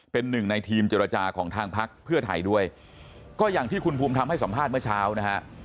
เป็นหนึ่งในทีมเจรจาของทางพักเพื่อไทยด้วยก็อย่างที่คุณภูมิธรรมให้สัมภาษณ์เมื่อเช้านะฮะ